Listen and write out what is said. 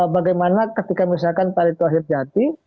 bagaimana ketika misalkan pak erik tuwajir jati